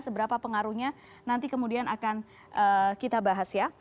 seberapa pengaruhnya nanti kemudian akan kita bahas ya